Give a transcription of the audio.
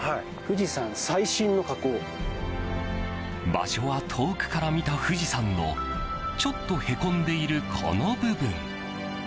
場所は遠くから見た富士山のちょっとへこんでいるこの部分。